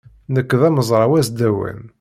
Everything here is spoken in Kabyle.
Nekk d amezraw asdawan.